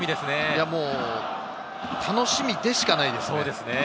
いや、もう楽しみでしかないです。